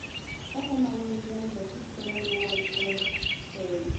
دغه ناولی جنګ به هیڅکله نه وای پېښ شوی.